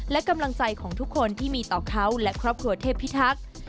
และกำลังใจของทุกคนที่มีต่อเขาและครอบครัวเทพิทักษ์